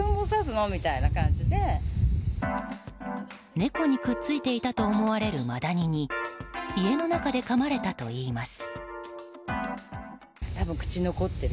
猫にくっついていたと思われるマダニに家の中でかまれたといいます。